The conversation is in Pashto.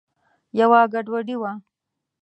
یوه ګډوډي وه.